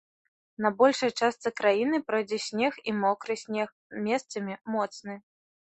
На большай частцы краіны пройдзе снег і мокры снег, месцамі моцны.